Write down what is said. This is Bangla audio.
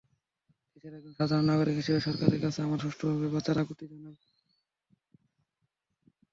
দেশের একজন সাধারণ নাগরিক হিসেবে সরকারের কাছে আমরা সুষ্ঠুভাবে বাঁচার আকুতি জানাই।